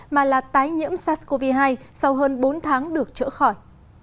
mà là tái nhiễm sars cov hai sau hơn bốn tháng được trở khỏi